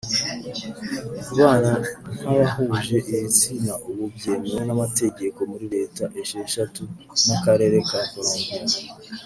Kubana kw’abahuje ibitsina ubu byemewe n’amategeko muri Leta esheshatu n’Akarere ka Columbia